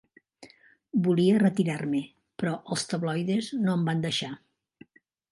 Volia retirar-me, però els tabloides no em van deixar.